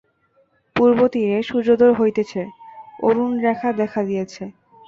পূর্বতীরে সূর্যোদয় হইতেছে, অরুণরেখা দেখা দিয়াছে।